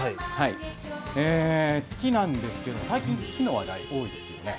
月なんですが、最近、月の話題、多いですよね。